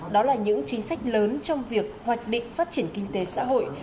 đó là những chính sách lớn trong việc hoạch định phát triển kinh tế xã hội